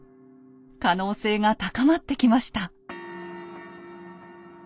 可能性が高まってきました。